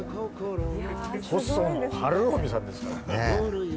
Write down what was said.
細野晴臣さんですから。